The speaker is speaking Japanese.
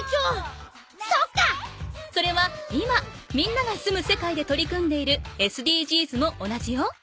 それは今みんなが住む世界で取り組んでいるＳＤＧｓも同じよ。